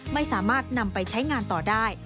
ไม่สามารถนำไปใช้งานต่อได้